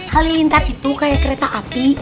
halilintar itu kayak kereta api